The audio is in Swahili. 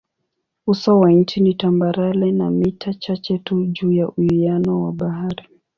Uso wa nchi ni tambarare na mita chache tu juu ya uwiano wa bahari.